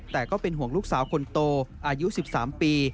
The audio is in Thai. แต่ก็เป็นห่วงลูกสาวคนโตอายุ๑๓ปี